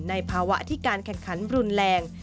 ในภาวะที่การแข่งขันรุนแรง